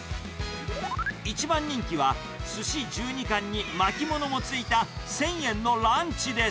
一番人気は、すし１２貫に巻き物もついた１０００円のランチです。